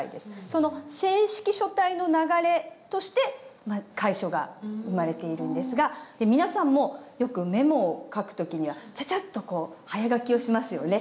その正式書体の流れとして楷書が生まれているんですが皆さんもよくメモを書く時にはチャチャッと早書きをしますよね。